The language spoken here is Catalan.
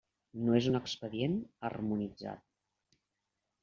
No és un expedient harmonitzat.